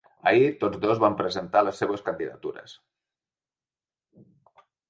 Ahir tots dos van presentar les seues candidatures.